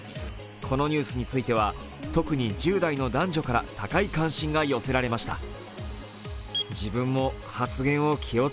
このニュースについては、特に１０代の男女から高い関心が寄せられました。